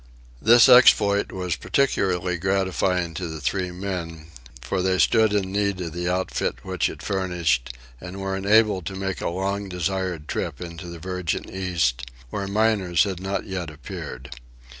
This exploit was particularly gratifying to the three men; for they stood in need of the outfit which it furnished, and were enabled to make a long desired trip into the virgin East, where miners had not yet appeared.